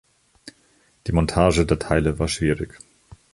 Die Montage der Teile war schwierig.